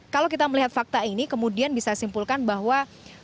kalau kita melihat fakta ini kemudian bisa simpulkan bahwa